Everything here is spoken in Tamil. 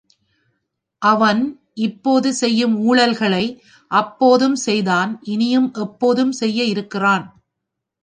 அவன் இப்போது செய்யும் ஊழல்களை அப்போதும் செய்தான் இனியும் எப்போதும் செய்ய இருக்கிறான்.